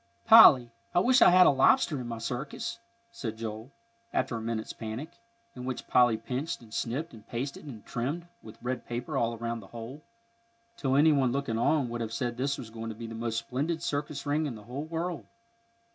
"Polly, I wish I'd had a lobster in my circus," said Joel, after a minute's panic, in which Polly pinched and snipped and pasted and trimmed with red paper all around the hole, till any one looking on would have said this was going to be the most splendid circus ring in the whole world.